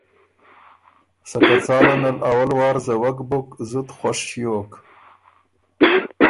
سکه څاله ان ال اول وار زوَک بُک، زُت خوش ݭیوک۔